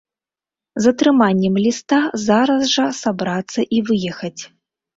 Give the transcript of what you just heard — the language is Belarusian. З атрыманнем ліста зараз жа сабрацца і выехаць.